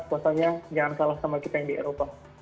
pokoknya jangan kalah sama kita yang di eropa